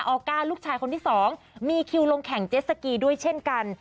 ออก้าลูกชายคนที่สองมีคิวลงแข่งเจ็ดสกีด้วยเช่นกัน